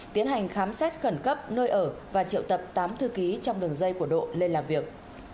tiến hành khám xét khẩn cấp nơi ở và triệu tập tám thư ký trong đường dây của độ lên làm việc